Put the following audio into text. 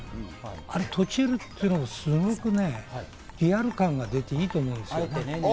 あれ、とちるっていうのもすごくリアル感が出ていいと思うんです。